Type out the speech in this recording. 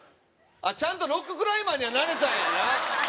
あちゃんとロッククライマーにはなれたんやな